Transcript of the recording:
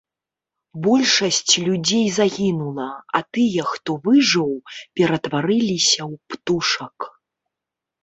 Большасць людзей загінула, а тыя, хто выжыў, ператварыліся ў птушак.